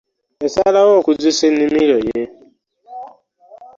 Yasalawo okuzisa ennimiro ye.